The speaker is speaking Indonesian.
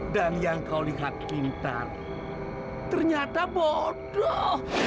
dan yang kau lihat pintar ternyata bodoh